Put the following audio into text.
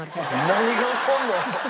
何が起こるの？